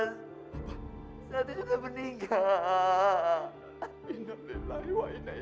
santi mengalami kecelakaan mas